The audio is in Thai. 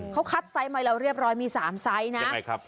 เขาคัดไซส์ใหม่แล้วเรียบร้อยมี๓ไซส์นะ